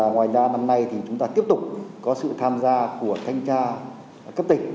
ngoài ra năm nay thì chúng ta tiếp tục có sự tham gia của thanh tra cấp tỉnh